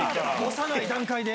幼い段階で。